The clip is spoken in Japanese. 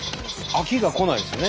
飽きがこないですよね。